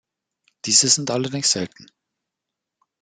Diese sind allerdings selten.